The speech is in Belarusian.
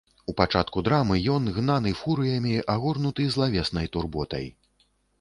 У пачатку драмы ён, гнаны фурыямі, агорнуты злавеснай турботай.